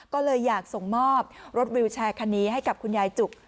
ก็เลยอยากส่งมอบรถวิวแชร์คันนี้ให้กับคุณยายจุก